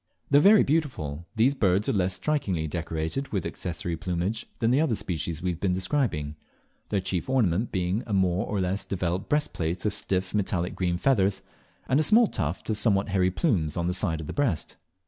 Though very beautiful, these birds are less strikingly decorated with accessory plumage than the other species we have been describing, their chief ornament being a more or less developed breastplate of stiff metallic green feathers, and a small tuft of somewhat hairy plumes on the sides of the breast.